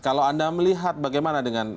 kalau anda melihat bagaimana dengan